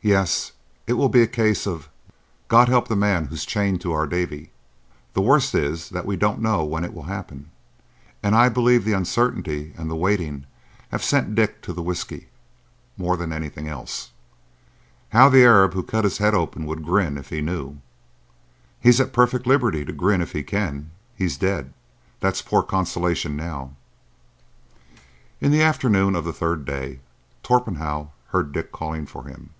"Yes, it will be a case of "God help the man who's chained to our Davie." The worst is that we don't know when it will happen, and I believe the uncertainty and the waiting have sent Dick to the whiskey more than anything else." "How the Arab who cut his head open would grin if he knew!" "He's at perfect liberty to grin if he can. He's dead. That's poor consolation now." In the afternoon of the third day Torpenhow heard Dick calling for him.